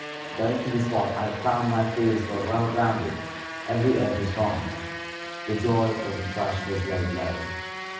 Going to the spot, I found my fears were well grounded; every egg was gone. The joy of the thrush was laid low.